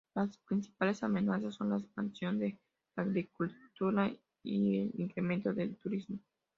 Las principales amenazas son la expansión de la agricultura y el incremento del turismo.